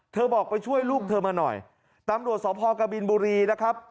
บอกไปช่วยลูกเธอมาหน่อยตำรวจสพกบินบุรีนะครับ